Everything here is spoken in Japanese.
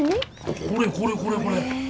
これこれこれこれ。